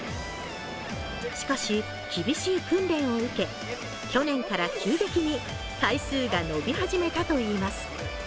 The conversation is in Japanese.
しかし、厳しい訓練を受け、去年から急激に回数が伸び始めたといいます。